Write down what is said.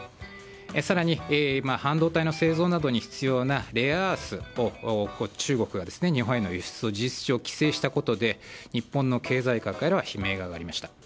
更に、半導体の製造などに必要なレアアースを中国が日本への輸出を事実上規制したことで日本の経済界からは悲鳴が上がりました。